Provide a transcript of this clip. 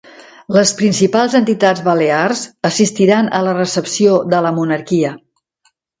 Les principals entitats balears assistiran a la recepció de la monarquia